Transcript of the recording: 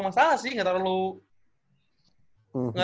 masalah sih gak terlalu gak terlalu